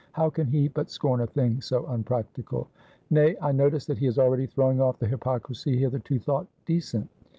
How can he but scorn a thing so unpractical? Nay, I notice that he is already throwing off the hypocrisy hitherto thought decent.